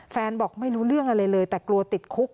บอกไม่รู้เรื่องอะไรเลยแต่กลัวติดคุก